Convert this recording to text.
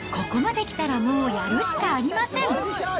赤井さん、ここまで来たらもうやるしかありません。